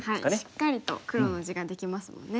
しっかりと黒の地ができますもんね。